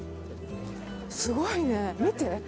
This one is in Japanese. すごいね、見て。